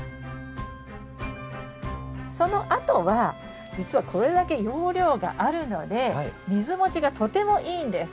そのあとは実はこれだけ容量があるので水もちがとてもいいんです。